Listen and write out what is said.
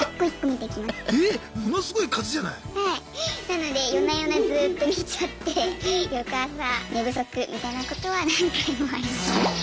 なので夜な夜なずっと見ちゃって翌朝寝不足みたいなことは何回もありました。